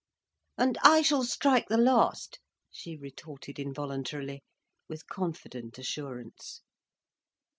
"And I shall strike the last," she retorted involuntarily, with confident assurance.